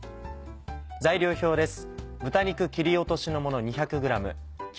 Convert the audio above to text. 材料表です。